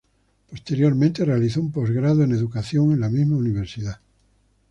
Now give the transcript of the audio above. Posteriormente realizó un postgrado en educación en la misma universidad.